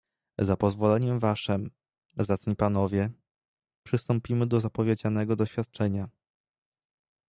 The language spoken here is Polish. "Za pozwoleniem waszem, zacni panowie, przystąpimy do zapowiedzianego doświadczenia."